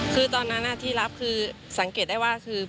คือตอนนั้นที่รับคือสังเกตได้ว่าคือ